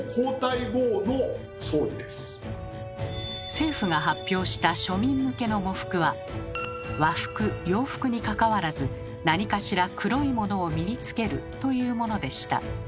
政府が発表した庶民向けの喪服は和服洋服にかかわらず何かしら黒いものを身に着けるというものでした。